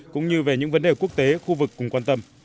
cũng như về những vấn đề quốc tế khu vực cùng quan tâm